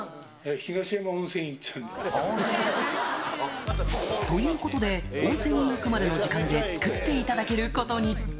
東山温泉行っちゃうんですよ。ということで、温泉に行くまでの時間で作っていただけることに。